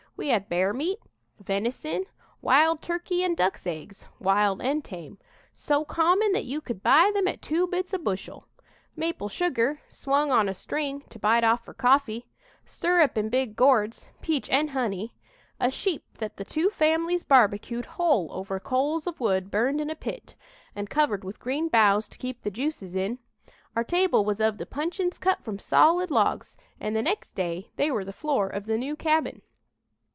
We had bear meat; venison; wild turkey and ducks' eggs, wild and tame so common that you could buy them at two bits a bushel; maple sugar, swung on a string, to bite off for coffee; syrup in big gourds, peach and honey; a sheep that the two families barbecued whole over coals of wood burned in a pit, and covered with green boughs to keep the juices in. Our table was of the puncheons cut from solid logs, and the next day they were the floor of the new cabin."